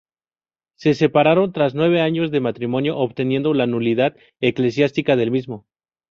Se separaron tras nueve años de matrimonio, obteniendo la nulidad eclesiástica del mismo.